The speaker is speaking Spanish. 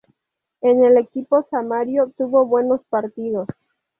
En el equipo samario, tuvo buenos partidos.